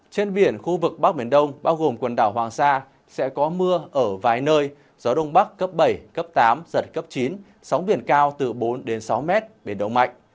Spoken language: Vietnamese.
trên biển khu vực bắc biển đông bao gồm quần đảo hoàng sa sẽ có mưa ở vài nơi gió đông bắc cấp bảy cấp tám giật cấp chín sóng biển cao từ bốn đến sáu mét biển động mạnh